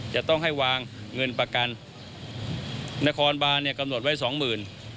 จะต้องให้วางเงินประกันนครบานเนี่ยกำหนดไว้สองหมื่น